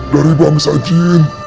dari bangsa jin